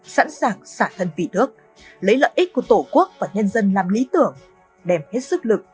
sẵn sàng xả thân vì nước lấy lợi ích của tổ quốc và nhân dân làm lý tưởng đem hết sức lực